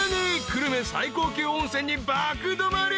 ［久留米最高級温泉に爆泊まり。